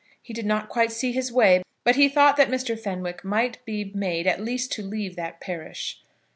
He did not quite see his way, but he thought that Mr. Fenwick might be made at least to leave that parish.